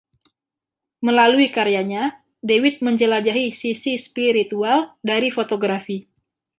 Melalui karyanya, Dewitt menjelajahi sisi spiritual dari fotografi.